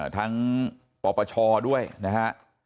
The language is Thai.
ทั้งปปชด้วยนะฮะ